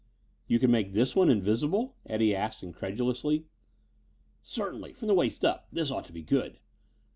"You can make this one invisible?" Eddie asked incredulously. "Certainly from the waist up. This ought to be good."